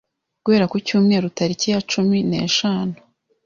guhera ku Cyumweru tariki ya cumi neshanu